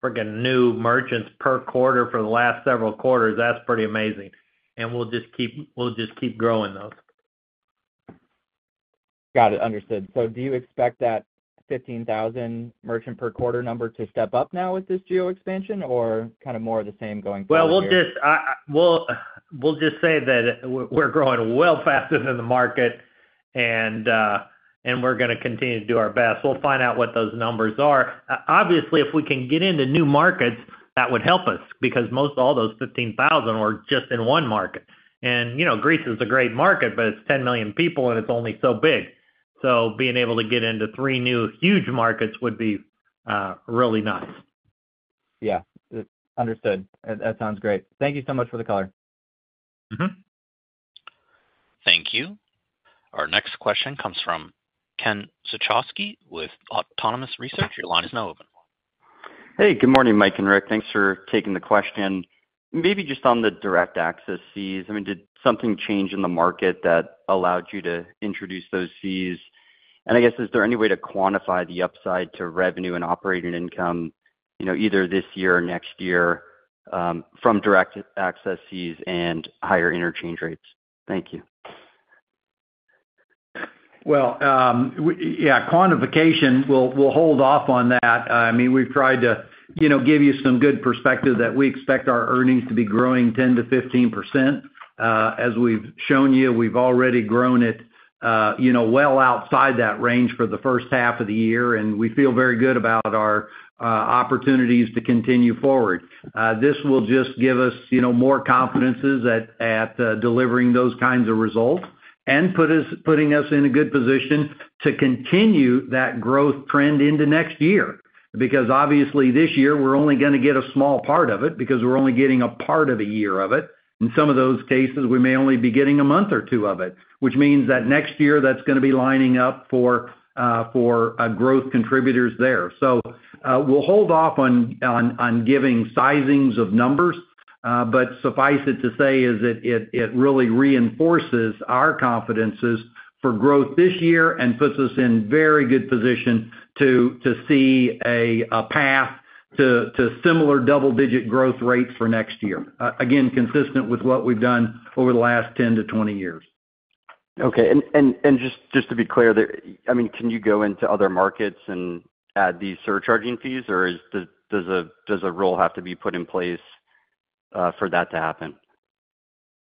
freaking new merchants per quarter for the last several quarters, that's pretty amazing. And we'll just keep, we'll just keep growing those. Got it. Understood. So do you expect that 15,000 merchant per quarter number to step up now with this geo expansion or kind of more of the same going forward here? Well, we'll just say that we're growing well faster than the market, and we're gonna continue to do our best. We'll find out what those numbers are. Obviously, if we can get into new markets, that would help us, because most all those 15,000 were just in one market. And, you know, Greece is a great market, but it's 10 million people, and it's only so big. So being able to get into three new huge markets would be really nice. Yeah. Understood. That, that sounds great. Thank you so much for the color. Mm-hmm. Thank you. Our next question comes from Ken Suchoski with Autonomous Research. Your line is now open. Hey, good morning, Mike and Rick. Thanks for taking the question. Maybe just on the direct access fees, I mean, did something change in the market that allowed you to introduce those fees? And I guess, is there any way to quantify the upside to revenue and operating income, you know, either this year or next year, from direct access fees and higher interchange rates? Thank you. ... Well, we, yeah, quantification, we'll hold off on that. I mean, we've tried to, you know, give you some good perspective that we expect our earnings to be growing 10%-15%. As we've shown you, we've already grown it, you know, well outside that range for the first half of the year, and we feel very good about our opportunities to continue forward. This will just give us, you know, more confidences at delivering those kinds of results, and putting us in a good position to continue that growth trend into next year. Because, obviously, this year, we're only going to get a small part of it because we're only getting a part of a year of it. In some of those cases, we may only be getting a month or two of it, which means that next year, that's going to be lining up for growth contributors there. So, we'll hold off on giving sizings of numbers, but suffice it to say is that it really reinforces our confidences for growth this year and puts us in very good position to see a path to similar double-digit growth rates for next year. Again, consistent with what we've done over the last 10 to 20 years. Okay. And just to be clear there, I mean, can you go into other markets and add these surcharge fees, or is... Does a rule have to be put in place for that to happen?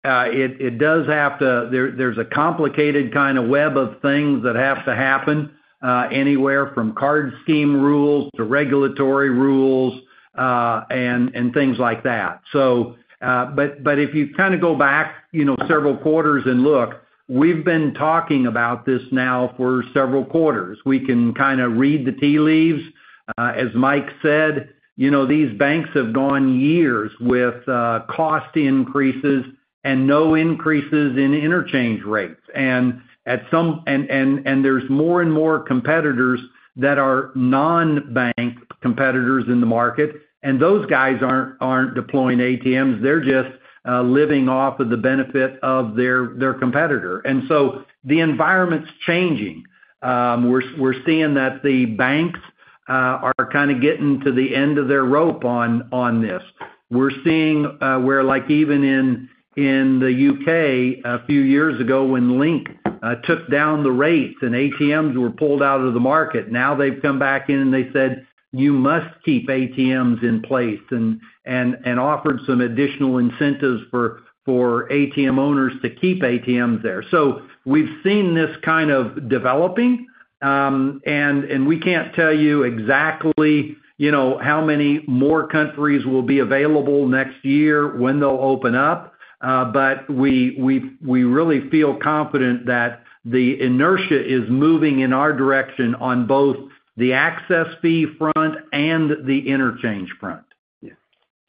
It does have to. There's a complicated kind of web of things that have to happen, anywhere from card scheme rules to regulatory rules, and things like that. So, but if you kind of go back, you know, several quarters and look, we've been talking about this now for several quarters. We can kind of read the tea leaves. As Mike said, you know, these banks have gone years with cost increases and no increases in interchange rates. And there's more and more competitors that are non-bank competitors in the market, and those guys aren't deploying ATMs, they're just living off of the benefit of their competitor. And so the environment's changing. We're seeing that the banks are kind of getting to the end of their rope on this. We're seeing where like even in the UK, a few years ago, when LINK took down the rates and ATMs were pulled out of the market, now they've come back in and they said, "You must keep ATMs in place," and offered some additional incentives for ATM owners to keep ATMs there. So we've seen this kind of developing, and we can't tell you exactly, you know, how many more countries will be available next year, when they'll open up, but we really feel confident that the inertia is moving in our direction on both the access fee front and the interchange front. Yeah.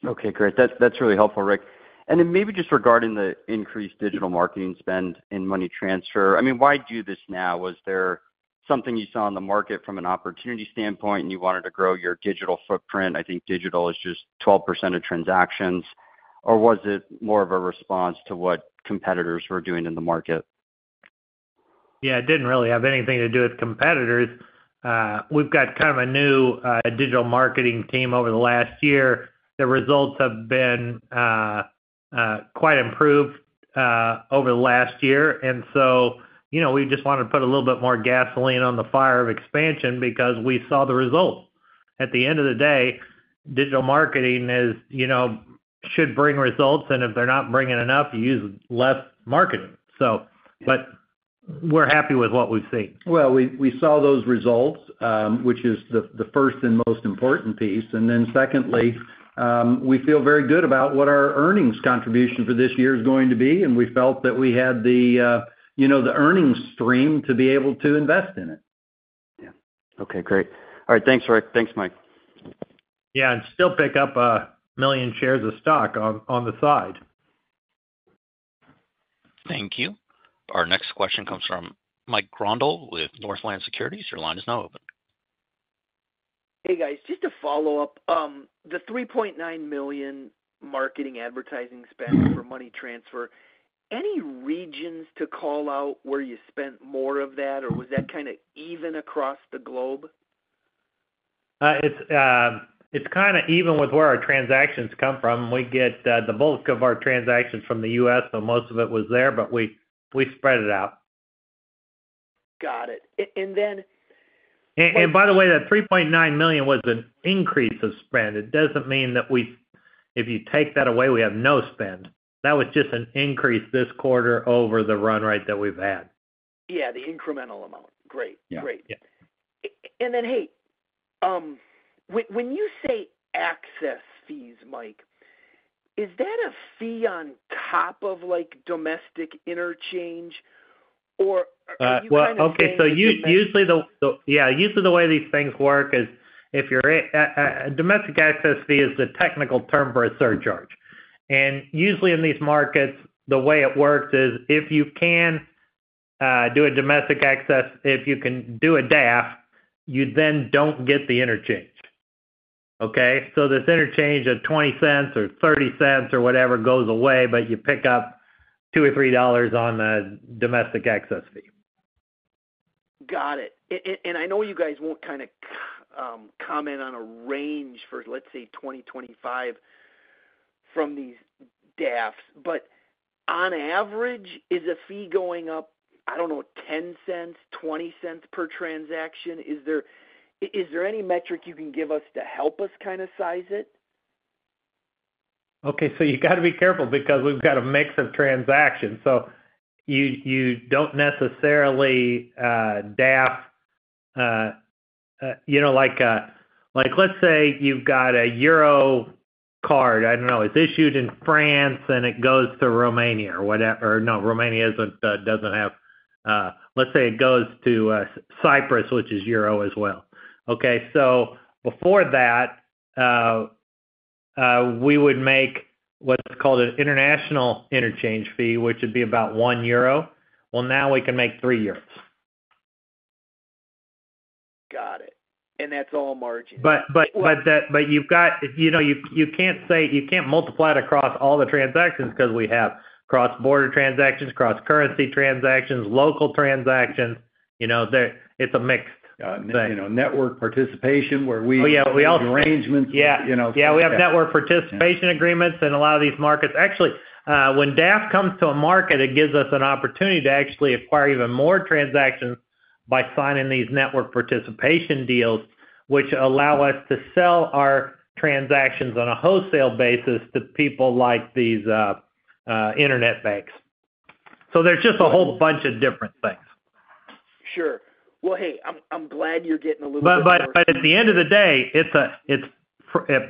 Okay, great. That's, that's really helpful, Rick. And then maybe just regarding the increased digital marketing spend in money transfer, I mean, why do this now? Was there something you saw in the market from an opportunity standpoint, and you wanted to grow your digital footprint? I think digital is just 12% of transactions. Or was it more of a response to what competitors were doing in the market? Yeah, it didn't really have anything to do with competitors. We've got kind of a new digital marketing team over the last year. The results have been quite improved over the last year. And so, you know, we just wanted to put a little bit more gasoline on the fire of expansion because we saw the results. At the end of the day, digital marketing is, you know, should bring results, and if they're not bringing enough, you use less marketing. So, but we're happy with what we've seen. Well, we saw those results, which is the first and most important piece. And then secondly, we feel very good about what our earnings contribution for this year is going to be, and we felt that we had the, you know, the earnings stream to be able to invest in it. Yeah. Okay, great. All right. Thanks, Rick. Thanks, Mike. Yeah, and still pick up 1 million shares of stock on the side. Thank you. Our next question comes from Mike Grondahl with Northland Securities. Your line is now open. Hey, guys, just to follow up, the $3.9 million marketing advertising spend for money transfer, any regions to call out where you spent more of that, or was that kind of even across the globe? It's kind of even with where our transactions come from. We get the bulk of our transactions from the U.S., so most of it was there, but we spread it out. Got it. And by the way, that $3.9 million was an increase of spend. It doesn't mean that we, if you take that away, we have no spend. That was just an increase this quarter over the run rate that we've had. Yeah, the incremental amount. Great. Yeah. Great. Yeah. And then, hey, when you say access fees, Mike, is that a fee on top of, like, domestic interchange, or are you kind of saying the same thing? Well, okay, so usually the way these things work is if you're a domestic access fee is the technical term for a surcharge. And usually in these markets, the way it works is if you can do a domestic access, if you can do a DAF, you then don't get the interchange, okay? So this interchange of $0.20 or $0.30 or whatever goes away, but you pick up $2 or $3 on the domestic access fee. Got it. And I know you guys won't kind of comment on a range for, let's say, 2025 from these DAFs, but on average, is a fee going up, I don't know, $0.10, $0.20 per transaction? Is there any metric you can give us to help us kind of size it? Okay, so you gotta be careful because we've got a mix of transactions. So you don't necessarily DAF, you know, like, like, let's say you've got a euro card. I don't know, it's issued in France, and it goes to Romania or whatever. No, Romania isn't, doesn't have-- Let's say it goes to Cyprus, which is euro as well. Okay, so before that, we would make what's called an international interchange fee, which would be about 1 euro. Well, now we can make 3 euros. Got it. That's all margin. But that. But you've got. You know, you can't say. You can't multiply it across all the transactions because we have cross-border transactions, cross-currency transactions, local transactions, you know, there, it's a mixed thing. You know, network participation, where we- Oh, yeah, we also- Arrangements. Yeah. You know? Yeah, we have network participation agreements in a lot of these markets. Actually, when DAF comes to a market, it gives us an opportunity to actually acquire even more transactions by signing these network participation deals, which allow us to sell our transactions on a wholesale basis to people like these, internet banks. So there's just a whole bunch of different things. Sure. Well, hey, I'm glad you're getting a little bit more- But at the end of the day, it's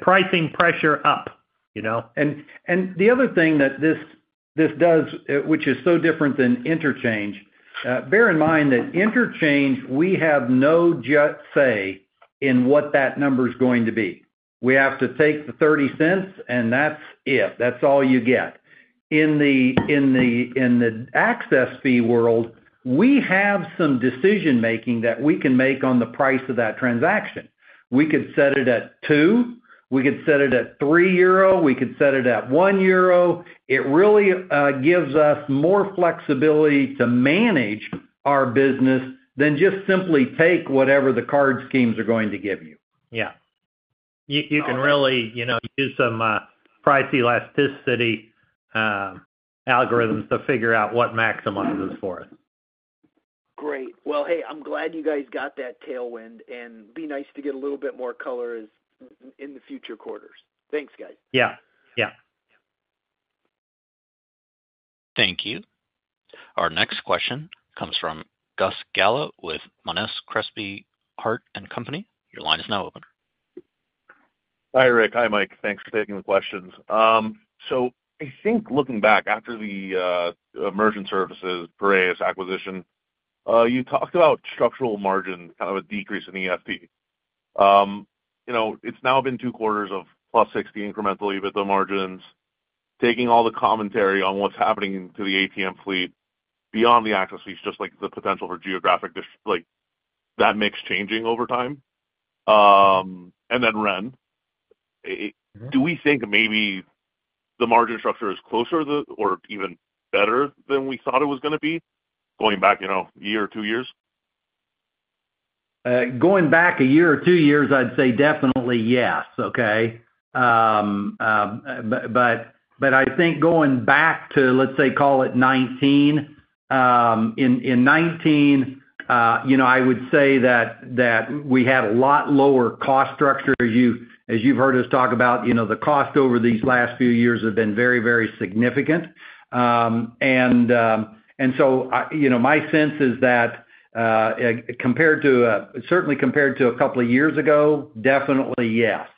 pricing pressure up, you know? The other thing that this does, which is so different than interchange, bear in mind that interchange, we have no say in what that number is going to be. We have to take the $0.30, and that's it. That's all you get. In the access fee world, we have some decision-making that we can make on the price of that transaction. We could set it at 2, we could set it at 3 euro, we could set it at 1 euro. It really gives us more flexibility to manage our business than just simply take whatever the card schemes are going to give you. Yeah. You can really, you know, do some price elasticity algorithms to figure out what maximizes for us. Great. Well, hey, I'm glad you guys got that tailwind, and be nice to get a little bit more color as in the future quarters. Thanks, guys. Yeah. Yeah. Thank you. Our next question comes from Gus Gala with Monness, Crespi, Hardt & Co. Your line is now open. Hi, Rick. Hi, Mike. Thanks for taking the questions. So I think looking back after the, Merchant Services, Piraeus acquisition, you talked about structural margin, kind of a decrease in the EFT. You know, it's now been two quarters of +60 incrementally, but the margins, taking all the commentary on what's happening to the ATM fleet beyond the access fees, just like the potential for geographic dis-- like, that mix changing over time, and then Ren. Do we think maybe the margin structure is closer to or even better than we thought it was gonna be going back, you know, a year or two years? Going back one year or two years, I'd say definitely yes, okay? But, but, but I think going back to, let's say, call it 2019, in, in 2019, you know, I would say that, that we had a lot lower cost structure. You. As you've heard us talk about, you know, the costs over these last few years have been very, very significant. And, and so, you know, my sense is that, compared to, certainly compared to a couple of years ago, definitely yes.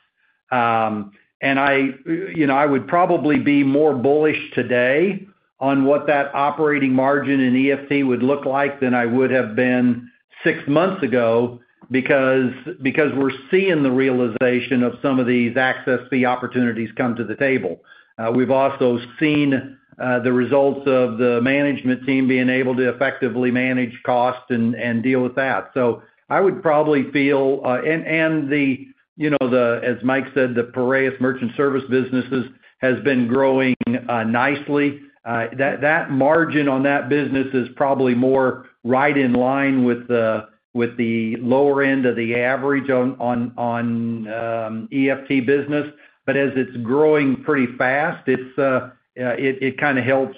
And I, you know, I would probably be more bullish today on what that operating margin in EFT would look like than I would have been six months ago, because, because we're seeing the realization of some of these access fee opportunities come to the table. We've also seen the results of the management team being able to effectively manage costs and deal with that. So I would probably feel, you know, as Mike said, the Piraeus merchant services businesses has been growing nicely. That margin on that business is probably more right in line with the lower end of the average on EFT business. But as it's growing pretty fast, it kind of helps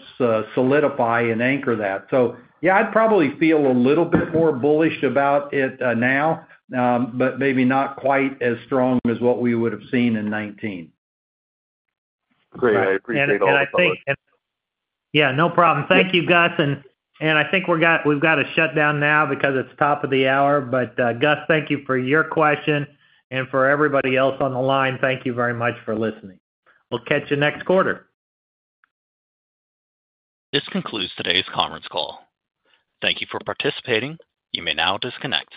solidify and anchor that. So yeah, I'd probably feel a little bit more bullish about it now, but maybe not quite as strong as what we would have seen in 2019. Great. I appreciate all the thoughts. Yeah, no problem. Thank you, Gus. I think we've got to shut down now because it's top of the hour. But, Gus, thank you for your question, and for everybody else on the line, thank you very much for listening. We'll catch you next quarter. This concludes today's conference call. Thank you for participating. You may now disconnect.